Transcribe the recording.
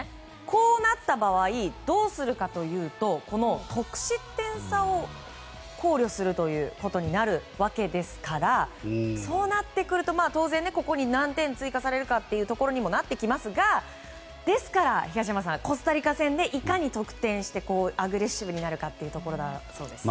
こうなった場合どうするかというと得失点差を考慮するということになるわけですからそうなってくると当然何点追加されるかということにもなってきますがですから、東山さんコスタリカ戦でいかに得点してアグレッシブになるかというところだそうです。